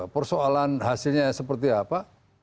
persoalan hasilnya seperti apa